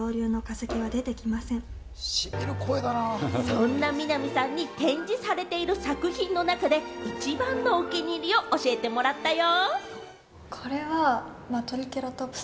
そんな南さんに展示されている作品の中で、一番のお気に入りを教えてもらったよ。